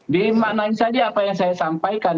di mana ini saja apa yang saya sampaikan